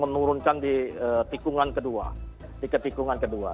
menurunkan di tikungan kedua di ketikungan kedua